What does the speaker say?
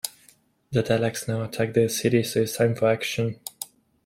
The Daleks now attack the city, so it is time for action.